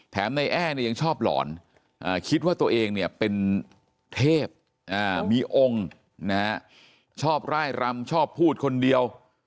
ในแอ้เนี่ยยังชอบหลอนคิดว่าตัวเองเนี่ยเป็นเทพมีองค์นะฮะชอบร่ายรำชอบพูดคนเดียว